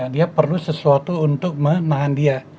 dia perlu sesuatu untuk menahan dia